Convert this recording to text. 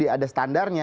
di ada standarnya